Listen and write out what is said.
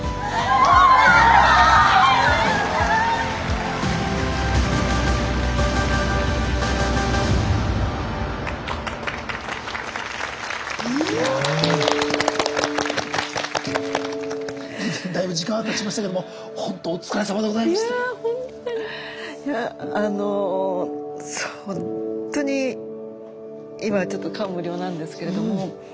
あのほんとに今ちょっと感無量なんですけれども。